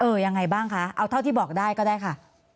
ยังไงบ้างคะเอาเท่าที่บอกได้ก็ได้ค่ะ